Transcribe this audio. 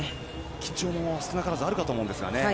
緊張も少なからずあると思うんですが。